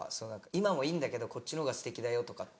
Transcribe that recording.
「今もいいんだけどこっちの方がすてきだよ」とかって。